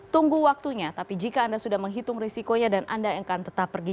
tunggu waktunya tapi jika anda sudah menghitung risikonya dan anda yang akan tetap pergi